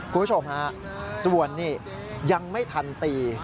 คุณผู้ชมฮะส่วนนี่ยังไม่ทันตี